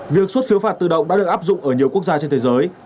việc xuất phiếu phạt tự động đã được áp dụng ở nhiều quốc gia trên thế giới